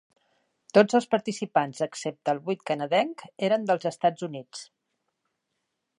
Tots els participants excepte el vuit canadenc eren dels Estats Units.